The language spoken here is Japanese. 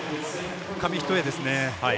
紙一重ですね。